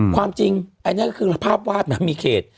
ความจริงอันนี้ก็คือภาพวาดนะมีเขต